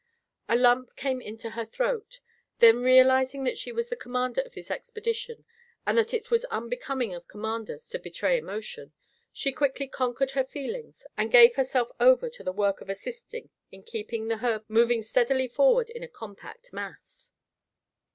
A lump came into her throat. Then, realizing that she was the commander of this expedition and that it was unbecoming of commanders to betray emotion, she quickly conquered her feelings and gave herself over to the work of assisting in keeping the herd moving steadily forward in a compact mass.